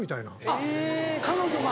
あっ彼女が。